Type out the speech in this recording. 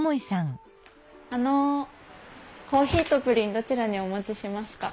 あのコーヒーとプリンどちらにお持ちしますか？